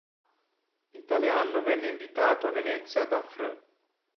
In tale anno venne invitato a Venezia da fr.